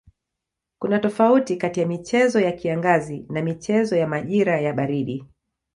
Kuna tofauti kati ya michezo ya kiangazi na michezo ya majira ya baridi.